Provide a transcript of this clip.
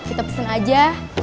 kita pesan aja